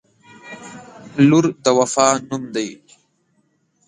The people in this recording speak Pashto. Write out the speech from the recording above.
• لور د وفا نوم دی.